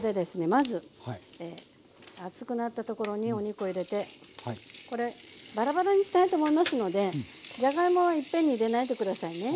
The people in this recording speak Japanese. まず熱くなった所にお肉を入れてこれバラバラにしたいと思いますのでじゃがいもはいっぺんに入れないで下さいね。